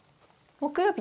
木曜日？